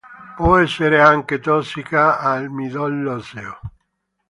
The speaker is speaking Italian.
Può essere anche tossica al midollo osseo.